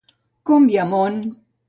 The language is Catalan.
Com hi ha món!